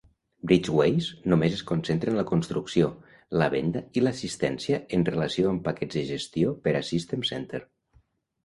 BridgeWays només es concentra en la construcció, la venda i l"assistència en relació amb paquets de gestió per a System Centre.